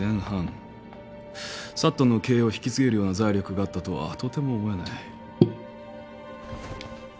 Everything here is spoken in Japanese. サットンの経営を引き継げるような財力があったとはとても思えない。